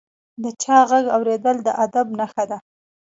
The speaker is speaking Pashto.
د چا ږغ اورېدل د ادب نښه ده.